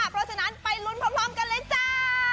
เพราะฉะนั้นไปลุ้นพร้อมกันเลยจ้า